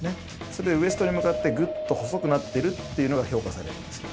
それでウエストに向かってグッと細くなってるっていうのが評価されるんですよ。